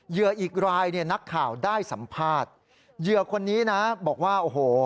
เหยื่ออีกรายเนี่ยนักข่าวได้สัมภาษณ์เหยื่อคนนี้นะบอกว่าโอ้โห